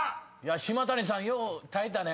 島谷さんよう耐えたね。